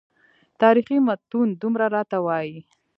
تاریخي متون دومره راته وایي.